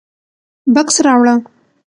_بکس راوړه.